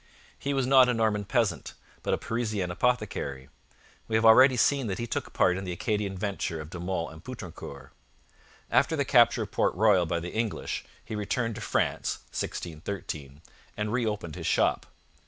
He was not a Norman peasant, but a Parisian apothecary. We have already seen that he took part in the Acadian venture of De Monts and Poutrincourt. After the capture of Port Royal by the English he returned to France (1613) and reopened his shop.